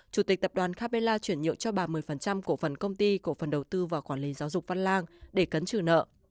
chủ tịch tập đoàn capella chuyển nhượng cho bà một mươi cổ phần công ty cổ phần đầu tư và quản lý giáo dục văn lang để cấn trừ nợ